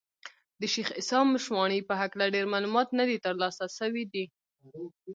د شېخ عیسي مشواڼي په هکله ډېر معلومات نه دي تر لاسه سوي دي.